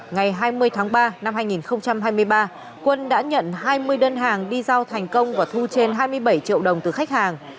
ngày hai mươi tháng ba năm hai nghìn hai mươi ba quân đã nhận hai mươi đơn hàng đi giao thành công và thu trên hai mươi bảy triệu đồng từ khách hàng